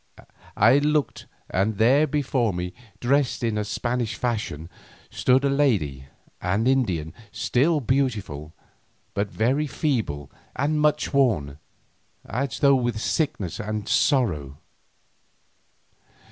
I looked and there before me, dressed in the Spanish fashion, stood a lady, an Indian, still beautiful, but very feeble and much worn, as though with sickness and sorrow.